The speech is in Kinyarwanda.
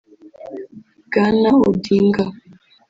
Bwana Odinga